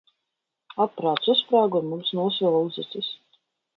Aparāts uzsprāga, un mums nosvila uzacis.